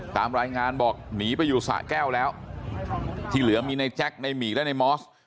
ตามรายงานบอกหนีไปอยู่สะแก้วแล้วที่เหลือมีในแจ็คในหมี่และในมอส